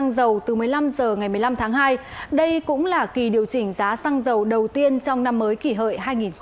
từ một mươi năm h ngày một mươi năm tháng hai đây cũng là kỳ điều chỉnh giá xăng dầu đầu tiên trong năm mới kỷ hợi hai nghìn một mươi chín